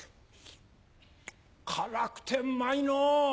辛くてうまいのう。